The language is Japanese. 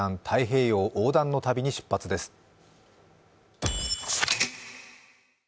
太平洋横断の旅に出発です。